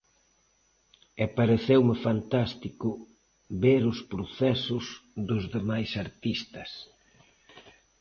E pareceume fantástico ver os procesos dos demais artistas.